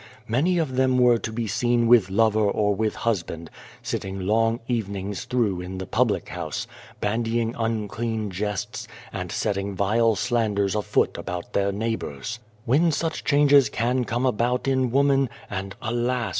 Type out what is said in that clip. Many of them were to be 263 A World seen with lover or with husband, sitting long evenings through in the public house, bandying unclean jests, and setting vile slanders afoot about their neighbours. "When such changes can come about in woman and, alas